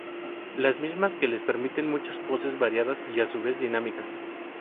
Las mismas que les permiten muchas poses variadas y a su vez dinámicas.